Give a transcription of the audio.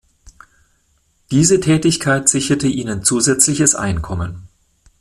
Diese Tätigkeit sicherte ihnen zusätzliches Einkommen.